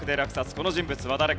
この人物は誰か？